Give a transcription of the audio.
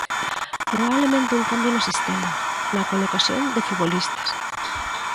Probablemente un cambio no sistema, na colocación de futbolistas.